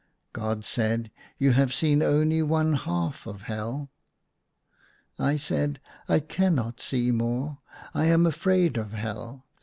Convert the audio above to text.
God said, " You have seen only one half of Hell." I said, " I cannot see more, I am afraid of Hell.